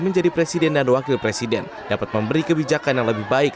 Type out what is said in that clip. menjadi presiden dan wakil presiden dapat memberi kebijakan yang lebih baik